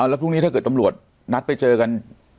แล้วพรุ่งนี้ถ้าเกิดตำรวจนัดไปเจอกัน